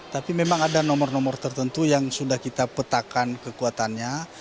tapi memang ada nomor nomor tertentu yang sudah kita petakan kekuatannya